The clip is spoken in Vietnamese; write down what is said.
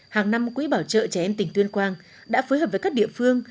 hàng năm quỹ bảo trợ trẻ em tỉnh tuyên quang đã phối hợp với các địa phương